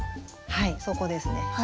はいそこですね。